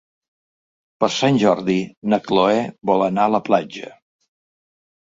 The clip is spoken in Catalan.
Per Sant Jordi na Chloé vol anar a la platja.